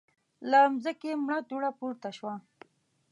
له ځمکې مړه دوړه پورته شوه.